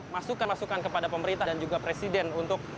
masukan masukan kepada pemerintah dan juga presiden untuk